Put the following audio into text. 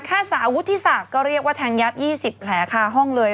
ฆ่าสาววุฒิษักษ์ก็เรียกว่าแทงยับ๒๐แหลกค่าห้องเลย